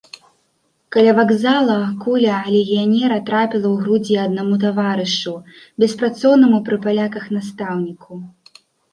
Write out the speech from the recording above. Каля вакзала куля легіянера трапіла ў грудзі аднаму таварышу, беспрацоўнаму пры паляках настаўніку.